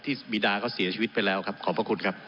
ที่บีดาก็เสียชีวิตไปแล้วครับขอบคุณครับ